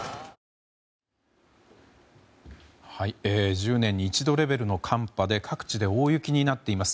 １０年に一度レベルの寒波で各地で大雪になっています。